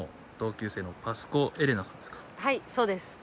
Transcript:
はいそうです。